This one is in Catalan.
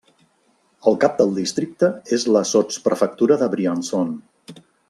El cap del districte és la sotsprefectura de Briançon.